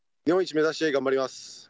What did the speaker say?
日本一目指して頑張ります。